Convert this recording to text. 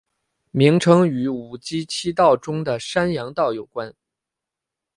名称与五畿七道中的山阳道有关。